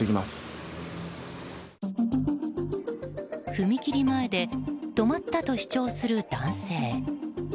踏切前で止まったと主張する男性。